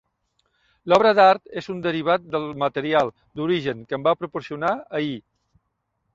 L'obra d'art és un derivat del material d'origen que em va proporcionar ahir.